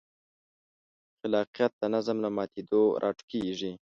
خلاقیت د نظم له ماتېدو راټوکېږي.